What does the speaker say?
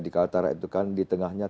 di kaltara itu kan di tengahnya